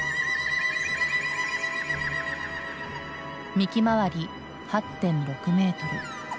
幹周り８．６メートル。